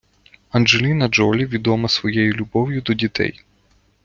Анджеліна Джолі відома своєю любов'ю до дітей.